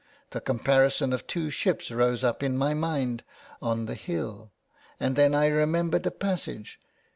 The comparison of two ships rose up in my mind on the hill, and then I remembered a passage."